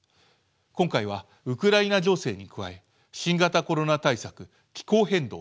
今回はウクライナ情勢に加え新型コロナ対策気候変動